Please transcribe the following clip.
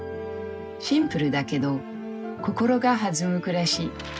シンプルだけど心が弾む暮らし。